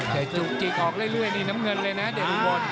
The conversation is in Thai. แต่จุกจิกออกเรื่อยนี่น้ำเงินเลยนะเดชอุบล